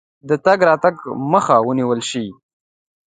د تګ راتګ مخه ونیوله شي.